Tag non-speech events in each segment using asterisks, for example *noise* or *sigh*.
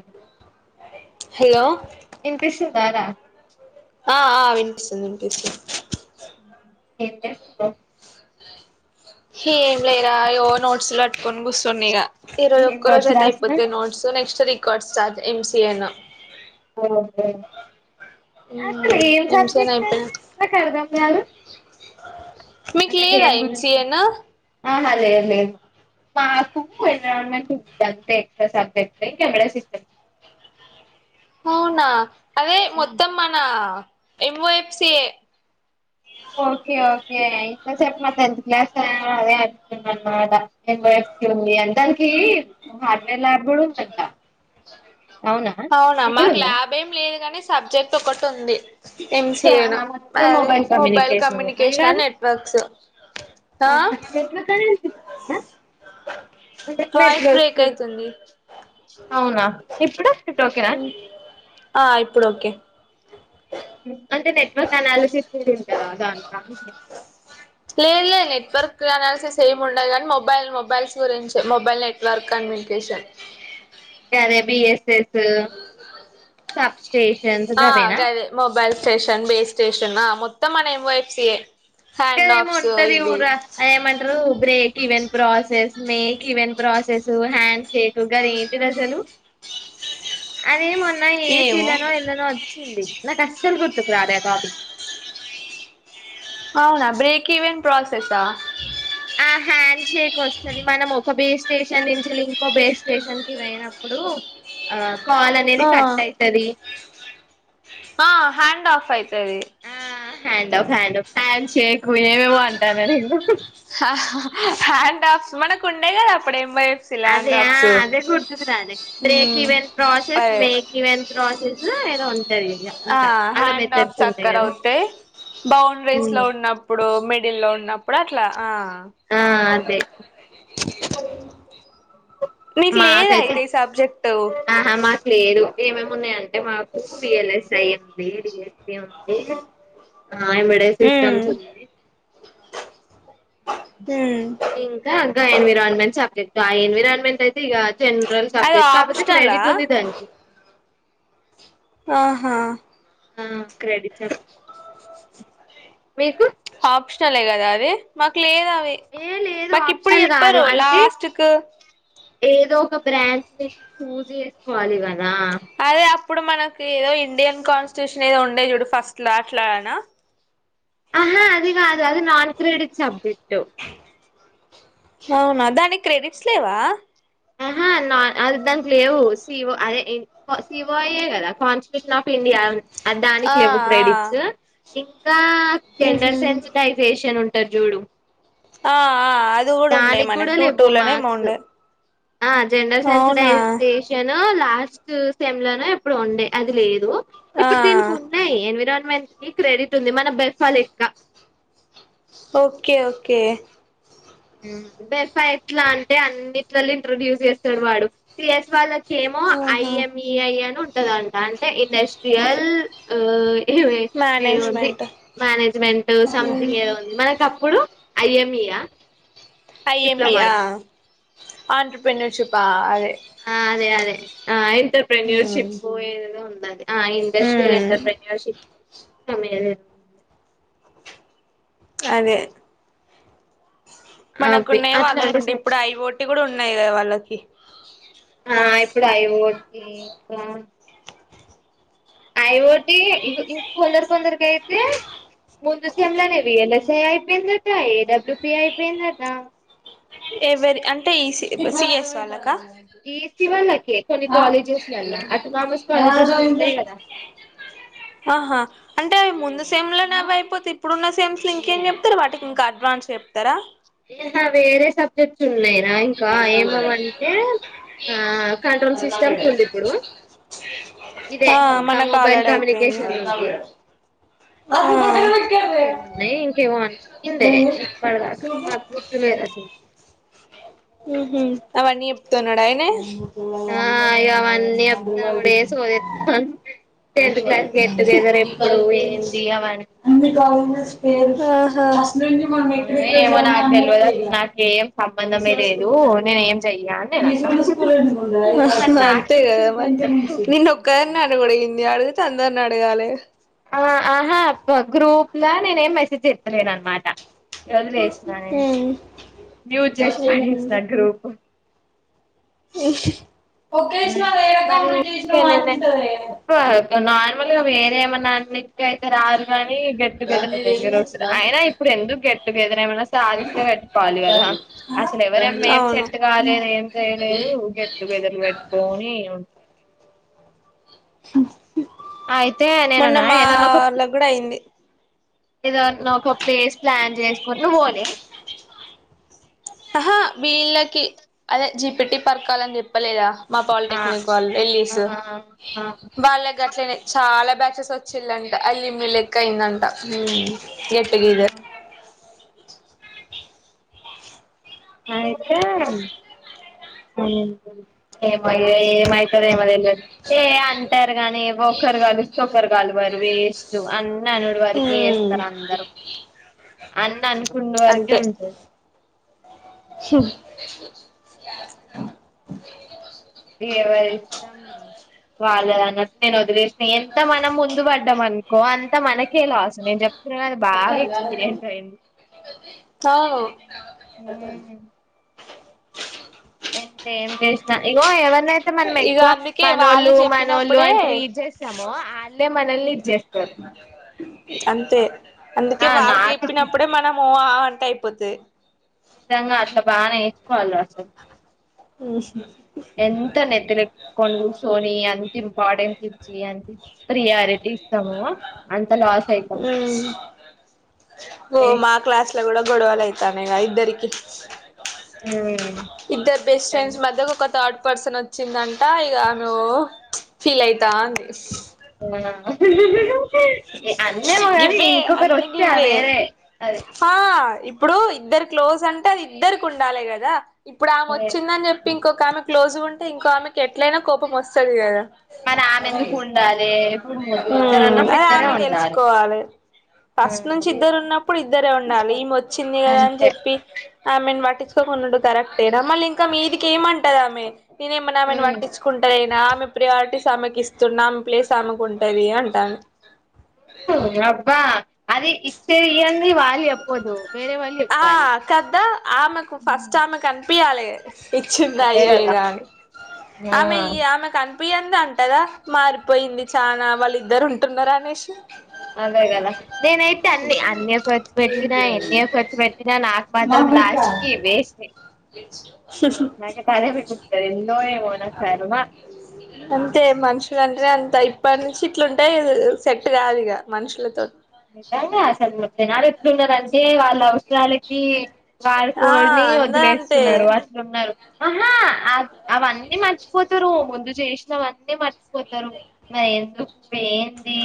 అ hello వినిపిస్తుందా రా ఆ ఆ వినిపిస్తుంది వినిపిస్తుంది ఏం చేస్తున్నావ్ ఏం లేరా ఇగో నోట్స్ లు కట్టుకొని కుసున్నిగా ఈ రోజు ఏం ఒక్క రోజు నోట్స్ రాస్తున్నావ్ అయితయిపోతే నోడ్సు నెక్స్ట్ కోట్ చార్జ్ ఎంసీఏను హ్మ్మ్ అసలు ఏం ఎంసిఎన్ సబ్జెక్ట్ అది అయిపోయినా నాకు అర్థం కాదు మీ క్ లేయ రా ఎంసీ ఎన్ ఆహ లేదు లేదు మాకు ఎనరాల్మెంట్ ఉ అంతే ఎక్స్ట్రా సబ్జెక్ట్ ఇంకెడ సిస్టమ్ అవునా అదే మొత్తం మన ఎంఓ ఎఫ్సఏ ఓకే ఓకే ఇంత సేప్ మ టెన్త్ క్లాస్ అదే న ఎఎసి ఉంది అ దానికి హార్డ్వేర్ ల్యాబ్ కూడా ఉందంత అవునా మాకు లాబ్ ఏం లేదు కాని సబ్జెక్ట్ ఒకటి ఉంది ఎం సి ఏ నో ఆహా, మొత్తం మదే మొబైల్ అయి కమ్యూనికేషన్ కాదు అండ్ నెట్వర్క్స్ ఆ అంటే వాయిస్ నెట్వర్క్స్ బ్రేక్ అయితుంది అవునా ఇప్పుడు ఇప్పుడు ఓకేనా ఆ ఇప్పుడు ఓకే అంటే నెట్వర్క్ అనాలిసిస్ ఉంది కదా దాంట్లో సేమ్ ఉండదు గానీ మొబైల్ మొబైల్స్ గురించి మొబైల్ నెట్వర్క్ కమ్యూనికేషన్ కరే బి ఎస్ ఎస్ తు తప్ స్టే ఆ గదే మొబైల్ స్టేషన్ బే స్టేషన్ ఆ మొత్తం మన ఏం వో ఎఫ్ సి ఏ ఇంకా ఏమో ఉంటది గూడ అది ఏమంటారు break even process make even process hands చేటు గది ఏంటిది అసలు అరే మన నా ఏసి ఏమో లనో ఎందులనో వచ్చింది నాక్ అస్సలు గుర్తు రాలే టాపిక్ అవునా బ్రేక్ ఈవెన్ ప్రాసెస్సా ఆ హ్యాండ్ షేక్ వస్తది మనం ఒక బే స్టేషన్ నుంచి ఇంకో బే స్టేషన్ కి వెయినప్పుడు ఆ కాల్ అనేది ఆ కట్ అయితది ఆ హ్యాండ్ ఆఫ్ అయి తది హ్యాండు హ్యాన్ షేక్ ఏవేవో అంటన్న నేను హ్యాండ్ ఆఫ్ మనక్ అదే అదే గుర్తుకు రాలే బ్రేక్ ఉమ్ ఇవెన్ ప్రాసెస్ అదే మేక్ ఇవెన్ ప్రాసెసు *unintelligible* ఆ హ్యాండ్ ఆఫ్స్ అక్కర్ కదా అవుతాయి బౌండ్రీస్ ఉమ్. లో ఉన్నప్పుడు మి డిలో ఉన్నప్పుడు అట్లా ఆ అదే నీకు లేద మాకైతే అయితే ఈ సబ్జెక్ట్ ఆహా మాకు లేదు ఏమేమి ఉన్నాయంటే మాకు వి ఎల్ ఎస్ ఐ ఉంది వి ఏ సి ఉంది ఆ *unintelligible* ఉమ్ సిస్టమ్స్ ఉంది ఉమ్ ఇంకా గా ఎన్విరాన్మెంట్ సబ్జెక్ట్ అయ విరాన్మెంట్ దిగా జనరల్ అది సబ్జెక్ట్ కాకపోతే ఆప్షనలా క్రెడిట్ ఉంది దానికి ఆహా ఆ క్రెడిట్స్ యాప్ మీకు ఆప్షనలే కదా అది మాకు లేదా ఏ లేదు మాకి ఇప్పుడు ఆప్షనల్ కాదు చెప్పారు అంటే లాస్ట్ కు ఏదో ఒక బ్రాంచ్ నుంచి చూజ్ చేసుకోవాలి ఇవన్న రా ఇప్పుడు మనకి ఏదో ఇండియన్ కాన్స్టిట్యూషన్ ఏదో ఉండే చూడు ఫస్ట్ లో అట్లాయానా ఆహా అది కాదు అది నాలు త్రీ డి సబ్జక్ట్ అవునా దానికి క్రెడిట్స్ లేవా అహా న అది దన్ లేవు సివో అదే సివో అయ్యే కదా కాన్స్టిట్యూషన్ ఆఫ్ ఇండియా దానికి ఆ లేవు ఆ క్రెడిట్సు ఇ ఇకా జెండర్ ఉహు సెన్సిటైజేషన్ ఉంట టద్ చూడు. ఆ ఆ అది కూడా ఉండే దానికి మనకు కూడా టూ టూ లేవు లోనేమో మార్క్స్ ఉండే ఆ జెండల్ అవునా సెన్సిడైేషన్ నో లాస్ట్ సెమ్ లోనే ఎప్పుడో ఉండే అది లేదు ఆ ఇప్పుడు దీనికి ఉన్నాయ్ ఏన్విరాన్ మంత్లీ క్రెడిట్ ఉంటుంది మన బెఫ్ఫాలెక్క ఓకే ఓకే బెఫ్ఫా ఎట్లా అంటే అన్నిట్ల ఇంట్రొడ్యూస్ చేస్తాడు వాడు సిఎస్ వాళ్ళకి ఏమో ఆహా అయ్యా మీ అయ్యాను వుంటదంట అంటే ఇండస్ట్రియల్ ఉ మేనేజ్మెంట్ మేనేజ్మెంట్ సంథింగ్ ఏదో ఉంది మనకు అప్పుడు అయ్యోమియ్య ఐయమ్ఈఆ ఆంట్రూ ప్రిన్సుపాలే ఆ అదే అదే ఆ ఆయి ఉమ్ కెపెన్యూర్షిప్ మీద ఉన్ నాదె ఆ ఇండస్ట్రియల్, ఉమ్ ఎంటర్ప్రన్యూర్షిప్ సమయం ఏదో ఉంది. అదే అవి మనకున్నాయే అట్లాంటి వాళ్ళకుండే, స- ఇప్పుడు ఐ ఓ టి కూడా ఉన్నాయి. కదా వాళ్ళకి కి ఆ ఇప్పుడు అయివోన్ ఏ కా ఐ ఒ టీ ఇంక్ ఇంకొందర్, కొందరికి అయితే ముందు సి ఎమ్ లోనే, వి ఎల్ ఎస్ ఐ అయిపోయిందట, ఏ డబ్ల్యూ పి అయిపోయిందట ఎవరి అంటే ఈ సి ఇప్ సి ఎస్ వాళ్ళకా ఈ సి వాళ్ళకే కొన్ని, ఆ కాలేజెస్లల్ల అటు కామర్స్ ఎవరిదో కాలేజెస్లు ఉంటాయి. ఏంటో కదా ఆహా అంటే అవి ముందు సెమ్లనేవి అయిపోతే ఇప్పుడున్న సెమ్స్లు, ఇంకేం చెప్తారా వాటికి ఇంకా అడ్వాన్స్ చెప్తారా ప్చ్ ఏ ఇలా వేరే సబ్జెక్ట్స్ ఉన్నాయి. రా ఇంకా ఏమవంటే ఆ కంట్రోల్ సిస్టమ్స్ ఉంది. ఇప్పుడు ఇదే ఆ ఇంకా మనకు మొబైల్ ఆల్రెడీ అయిపోయింది కమ్యూనికేషన్స్ ఉంది. ఇంకేమున్నాయి, ఇంకేమోహన్ ఇంతే ఉహు ఇప్పటిదాకా గుర్తులేదు. అస్సల్ కి హ్మ్ హు అవన్నీ చెప్పుతున్నాడ, ఆయన్నే ఆ ఇగ అవన్నీ చెప్తాను అప్పుడు ఏ సోది చెప్తాను టెన్త్ క్లాస్ గెట్ టుగెదర్ ఎప్పుడు ఏంది అవన్నీ అన్నీ కావాలనే ఏం *unintelligible* ఆహా ఆ ఏమో నాక్ తెల్వదు, అస్సలు ఆహా నాకేం అని నేను అన్నా మరి నాకు అంతే కదమ్ గురించి నిన్ను ఒక్కదాన్నే, అన్నకూడదు నియా అడిగితే, అందరిని అడగాలే ఆ ఆహా ప గ్రూప్ లో నేనే ఏం మెసేజ్ చెప్తాలేను. అనమాట వదిలేసిన, నేను మ్యూట్ చేసి పడేసిన గ్రూపు హ్మ్ హ్ మ్మ్ మరి ఉకే నేనె వాడుంటదే ఉ ఒకే నార్మల్గా, వేరే ఏమనాన్నిక అయితే రారు కాని గెట్టుగెదర్ దగ్గరికి ఎళ్ళో వస్తుంద. అయినా ఇప్పుడు ఎందుకు గెట్ తినేదె ఇలా ఏమన్నా సాధిస్తే పెట్టుకోవాలి. కదా అసలు ఎవరమ ఏం అవును సెట్ కాలేదు. ఏం చేయలేదు. గెట్ టూ గేదర్లు పెట్ నే అవును ఒకే హ్మ్ హ్మ్ మొన్న నేనున్నా మాల కూడా అయింది. ఇలా నాకు ఒక ప్లేస్ ప్లాన్ చేసుకుని నువ్వు పోలే ప్చ్ ఆహా వీళ్ళకి అదే జీ పెట్టి పరకాలని చెప్పలేదా. మా ఆ పాలిటెక్నిక్, వాళ్ళు ఆ వెళ్ళిసు ఆ వాళ్ళక్ గట్లేనే చాలా బ్యాచెస్ వచ్చిళ్ళంట, అల్లిమ్మి లెక్క అయిందంట హ్మ్ ఆహా ఆత మ ఏమయితార మ *unintelligible* ఏ అంటరు కానీ ఒక్కరు కలుసు ర్గాల్వర్ వేస్ట్ అ *unintelligible* నానుడి వరకే మ్మ్ చేస్తారు అందరు అన్నాన్ ఉన్న వరకే ఉంటది స వాళ్ళ అన్నట్టు నేను వదిలేస్తే ఎంత మనం ముందు పడ్డాం అనుకో అంత మనకే లాస్ నేను చెప్ తర్వాత బాగా ఎక్స్పీరియన్స్ అయింది అ *unintelligible* చ *unintelligible* ఎంత ఏం జేసిన ఇగో యితే మనం ఇగ ఎక్కువ అందుకే వాళ్ళు మనోళ్ళు మనోళ్ళు చెప్పినప్పుడే అని ట్రీట్ చేస్తామో వాళ్ళే మనల్ని ఇది చేస్తారు అంతే అందుకే ఆ వాళ్ళు నాకు చెప్పినప్పుడే మనము ఆ అంటే అయిపోతది నిజంగా అట్లా బాగా నేర్చుకోవాలి రాజు ఎంత నెతినెక్కించుకోని కూర్ సోని అంత ఇంపార్టెన్స్ ఇచ్చి అంత ప్రియారిటీ ఇస్తామో అంత లాస్ అయితము మ్మ్ తనేే గ ఇద్దరికి ఆ ఇద్దరు బెస్ట్ ఫ్రెండ్స్ మధ్యకు ఒక థడ్ పర్సన్ వచ్చిందంట ఇక ఆమె ఓ ఫీల్ అయితా అంది *unintelligible* ఏ అన్నేమో గాని గివే ఇంకొకరు అన్ని వస్తే ఆ గివే వేరే అది ఆ ఇప్పుడు ఇద్దరు క్లోజ్ అంటే అది ఇద్దరికి ఉండాలి కదా ఇప్పుడు ఆమె అదే. వచ్చిందని చెప్పి ఇంకొక ఆమె క్లోసగ ఉంటే ఇంకో ఆమెకి ఎట్లయినా కోపం వస్తది కదా మరి ఆమె ఎందుకు ఉండాలి ఇప్పుడు ఇద్దరు ఉమ్ అన్నప్పుడు అది ఇద్దరు తెలుసుకోవాలి ఫస్ట్ ఉమ్, నుంచి ఇద్దరు ఉన్నప్పుడు ఇద్దరే ఉండాలి ఈమి వచ్చింది కదా అని అంతే చెప్పి ఆమెన్ పటి ఉండుడు కరెక్టేన మల్లి ఇంకా మీదికి ఏమటదామె నేన ఏమన్నానామెను ఉమ్, పట్టించుకుంటలేనా ఆమె ప్రియారిటీ స్ ఆమెకిస్తున్నమ్ ఆమె ప్లేస్ ఆమెకుంటది అంటారు అబ్బా అదిే ఇ స ఇవన్నీ వాళ్ళి చెప్పద్దు వేరే వాళ్ళు ఆ చెప్పాలి ప్పియాలే ఇచ్చింద అదే కదా ఇయ్యలేద అని ఆ ఆమె ఈ ఆమె క పియ్యంది అంటదా మారిపోయింది చాలా వాళ్ళిద్దరు ఉంటున్నారుా అనేసి అదేగద నేనైతే అన్నీ అన్నయ ఖర్చు పెట్టినా ఎన్నో ఖర్చు పెట్టినా నాకు మాత్రం లాస్ట్ కి వేస్టే మిగులుతది ఎందో ఏమో నా కర్మ అంతే మనుషులని అే అంత ఇప్పటి నుంచి ఇట్లుంటే సెట్ కాదు ఇక మనుషులతో నిజంగా ఇప్పుడు జనాలు ఎట్లున్నారంటే వాళ్ళు వాళ్ళకి వారు ఆ కోని అందరు అంతే వదిలేస్తున్నారు అట్లున్నారు ఆహా అవన్నీ మర్చిపోతారు ముందు చేసినవన్నీ మర్చిపోతారు మరి ఎందుకు ఏంది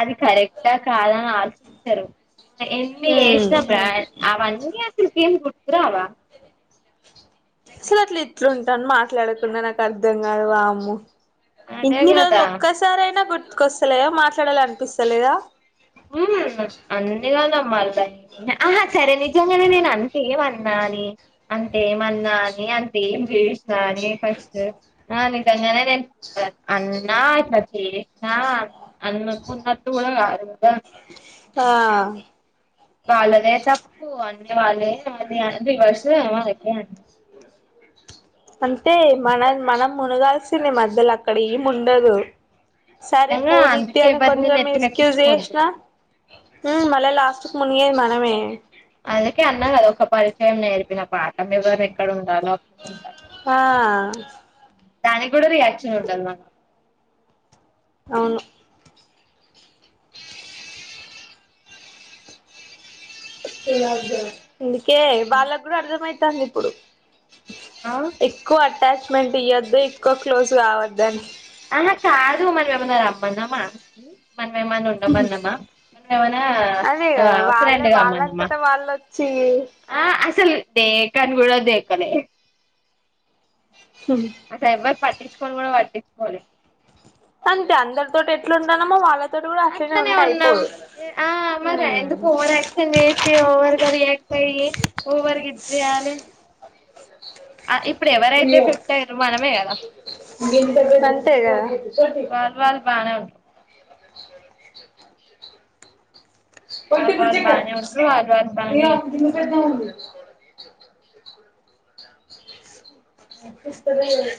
అది కరెక్టా కాదా ఆలోచించరు ఎన్ని చేసిన అవన్ని నీకేం గుర్తురావా అసలు అట్ల ఎట్ల ఉంటాను మా ట్లా అడకుండా నాకు అర్ధం కాదు అమ్మో అదే ఇన్ని రోజులు కదా ఒక్కసారి అయినా గుర్త్ గుర్తుకొస్తలేదా మాట్లాడాలి అనిపిస్తలేదా ఉమ్ అన్నిగా నమ్మాలి సరే నిజంగానే నేను అంతేమన్నా అని అంతేమన్నా అని అంతే ఏం చేసినా అని ఫస్ట్ ఆ నిజంగానే నేను అన్నా ఇట్ల చేసిన అన్నకున్నటు కూడా కాదు కదా ఆ వాళ్ళదే తప్పు అన్ని వాళ్ళే వాళ్ళే అది అ అ వర్ష అళకడి అంటే మనం మనం మునుగాల్ వచ్చింది మధ్యలో అక్కడ ఏం ఉండదు సరే నిజంగా పో అందుకే నిత్య అని ఎవరిని కొంచెం ఎస్క్యూస్ నెత్తినెక్కించుకోవద్దు చేసిన మళ్ళ లాస్ట్ మునిగే ది ఆమె అందుకే అన్నా కదా ఒక పరిచయం నేర్పిన బాటమ్ ఎవరు ఎక్కడ ఉండాలో అక్కడ ఉండాలి ఆ దానికి కూడా రియాక్షన్ ఉండదు మళ్ళ అవును జద ఇందుకే వాళ్ళకు కూడా అర్థమైంది ఇంది ఇప్పుడు ఆ ఎక్కువ అటాచమెట్ ఇవద్దు ఎక్కో క్లోజ్ గావద్దని ఆహా కాదు మనమేమన్న రమ్మనమా మన ఏమన్నా ఉండమన్నమ్మ ఏమనా అదే ఆ కదా వాళ్ళే ఫ్రెండ్గమ్మనమా వాళ్ళంతటా వాళ్ళొచ్చి ఆ అసలు దేకాన్ గూడ దేకాలే అసలు ఎవరూ పట్టిచ్ కోను గూడా వట్టిచ్చు కోలే అంతే అందరితోటి ఎట్లుంటనమ్మో వాళ్ళ అట్లనే ఉన్నాం ఆ మరి హ్మ్ ఎందుకు ఓవర్ క్షన్ చేసి ఓవర్గా రియాక్ట్ అయ్యి ఓవర్ గ ఇజేయలె. ఎఫెక్ట్ అయ్యారో మనమే కదా అంతె గద వానవున్ వాల్ వాల్ కదా బానే ఉంట్రూ వాల్ వాల్ బానే ఏస్తరు చూడ్ ఎట్లీస్తదో ఏమో